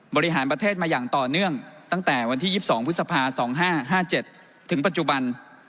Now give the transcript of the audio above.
บริหารประเทศมาอย่างต่อเนื่องตั้งแต่วันที่๒๒พฤษภา๒๕๕๗ถึงปัจจุบัน